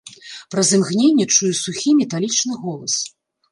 Праз імгненне чую сухі металічны голас.